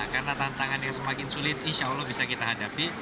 karena tantangan yang semakin sulit insya allah bisa kita hadapi